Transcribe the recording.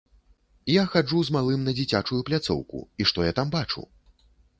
Я хаджу з малым на дзіцячую пляцоўку, і што я там бачу?